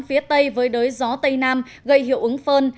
phía tây với đới gió tây nam gây hiệu ứng phơn